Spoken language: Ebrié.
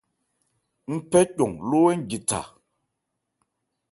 Ń phɛ cɔn ló ń je tha.